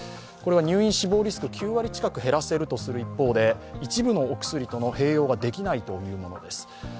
これは入院死亡リスク９割近く減らせるとする一方で一部のお薬との併用ができないというものです。